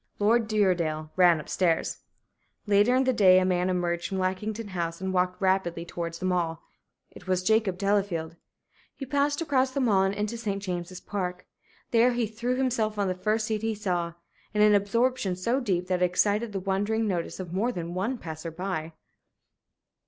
Lord Uredale ran up stairs. Later in the day a man emerged from Lackington House and walked rapidly towards the Mall. It was Jacob Delafield. He passed across the Mall and into St. James's Park. There he threw himself on the first seat he saw, in an absorption so deep that it excited the wondering notice of more than one passer by.